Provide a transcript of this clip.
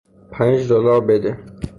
پنج دلار بده.